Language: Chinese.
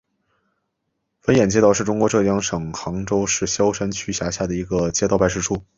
闻堰街道是中国浙江省杭州市萧山区下辖的一个街道办事处。